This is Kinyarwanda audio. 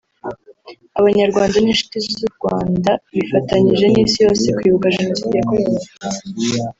Abanyarwanda n’inshuti z’u Rwanda bifatanyije n’isi yose Kwibuka Jenoside yakorewe Abatutsi